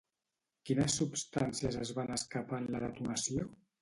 Quines substàncies es van escapar en la detonació?